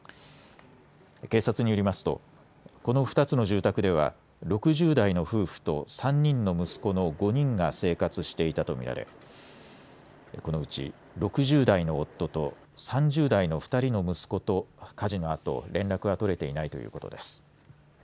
警察によりますとこの２つの住宅では６０代の夫婦と３人の息子の５人が生活していたと見られこのうち６０代の夫と３０代の２人の息子と火事のあと連絡が取れていないということです。